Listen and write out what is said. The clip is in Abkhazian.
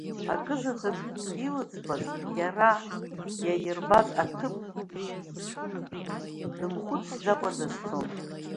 Акызаҵәык илыӡбаз иара иаирбаз аҭыԥ дымхәыцӡакәа дазцон.